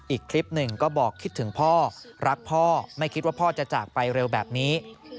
อีกคลิปหนึ่งก็บอกคิดถึงพ่อรักพ่อไม่คิดว่าพ่อจะจากไปเร็วแบบนี้